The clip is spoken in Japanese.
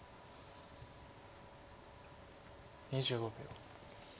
２５秒。